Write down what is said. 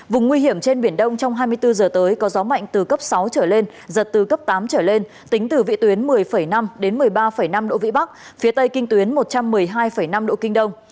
vùng nguy hiểm trên biển đông trong hai mươi bốn h tới có gió mạnh từ cấp sáu trở lên giật từ cấp tám trở lên tính từ vị tuyến một mươi năm đến một mươi ba năm độ vĩ bắc phía tây kinh tuyến một trăm một mươi hai năm độ kinh đông